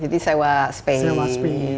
jadi sewa space